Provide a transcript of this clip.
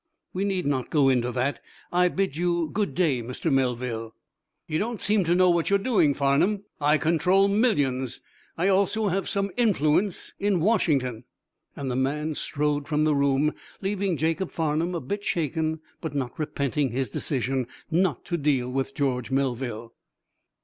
"We need not go into that. I bid you good day, Mr. Melville." "You don't seem to know what you're doing, Farnum. I control millions. I also have some influence in Washington," and the man strode from the room, leaving Jacob Farnum a bit shaken but not repenting his decision not to deal with George Melville.